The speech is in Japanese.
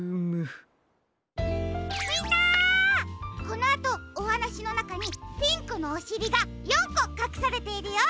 このあとおはなしのなかにピンクのおしりが４こかくされているよ。